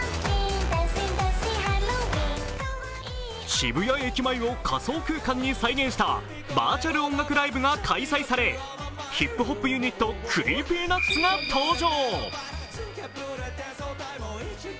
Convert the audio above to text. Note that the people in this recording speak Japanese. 渋谷駅前を仮想空間に再現したバーチャル音楽ライブが開催され、ヒップホップユニット、ＣｒｅｅｐｙＮｕｔｓが登場。